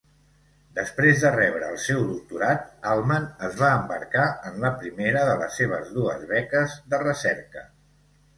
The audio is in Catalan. Després de rebre el seu doctorat, Altman es va embarcar en la primera de les seves dues beques de recerca.